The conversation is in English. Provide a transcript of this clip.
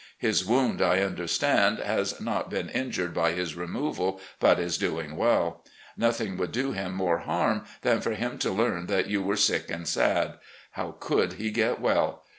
His wound, I understand, has not been injured by his removal, but is doing well. N othing would do him more harm than for him to learn that you were sick and sad. How could he get well